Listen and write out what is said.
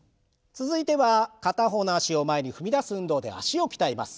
続いては片方の脚を前に踏み出す運動で脚を鍛えます。